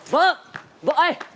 vợ vợ ơi